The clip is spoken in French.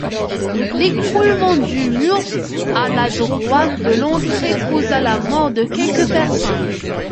L'écroulement du mur à la droite de l'entrée causa la mort de quelques personnes.